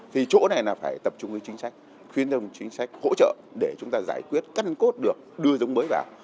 thì chỗ này là phải tập trung với chính sách khuyến đồng chính sách hỗ trợ để chúng ta giải quyết cân cốt được đưa giống mới vào